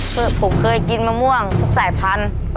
คือผมเคยกินมะม่วงทุกสายพันธุ์